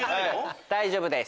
大丈夫です。